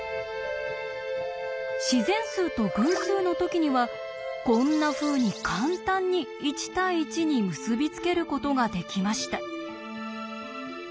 自然数と偶数の時にはこんなふうに簡単に１対１に結び付けることができました。